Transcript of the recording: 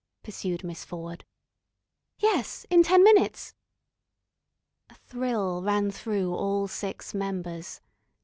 pursued Miss Ford. "Yes. In ten minutes." A thrill ran through all six members.